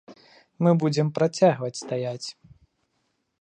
Мы будзем працягваць стаяць.